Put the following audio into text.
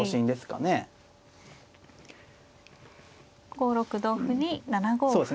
５六同歩に７五歩です。